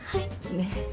ねっ。